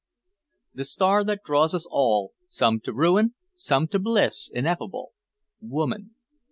"The star that draws us all, some to ruin, some to bliss ineffable, woman."